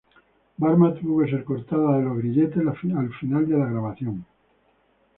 Varma tuvo que ser cortada de los grilletes la final de la grabación.